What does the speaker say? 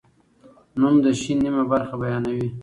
نوم د شي نیمه برخه بیانوي.